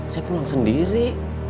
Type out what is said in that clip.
saya pulang sendiri